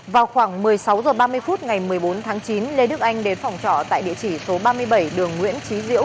vào khoảng một mươi sáu h ba mươi phút ngày một mươi bốn tháng chín lê đức anh đến phòng trọ tại địa chỉ số ba mươi bảy đường nguyễn trí diễu